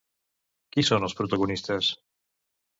Qui són els protagonistes?